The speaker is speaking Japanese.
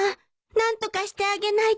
何とかしてあげないと